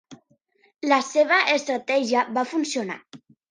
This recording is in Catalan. La seva estratègia va funcionar.